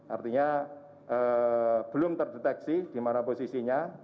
artinya belum terdeteksi di mana posisinya